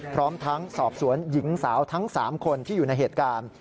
พร้อมทั้งสอบสวนหญิงสาวทั้ง๓คนที่อยู่ในเหตุการณ์